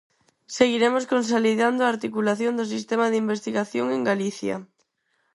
Seguiremos consolidando a articulación do sistema de investigación en Galicia.